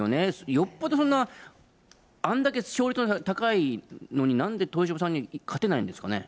よっぽど、そんな、あんだけ勝率の高いのに、なんで豊島さんに勝てないんですかね。